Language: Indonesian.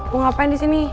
mau ngapain di sini